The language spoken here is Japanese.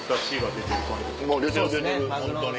出てる出てるホントに。